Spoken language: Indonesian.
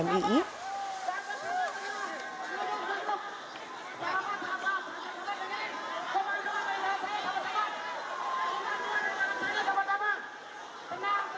tidak tidak tidak duduk duduk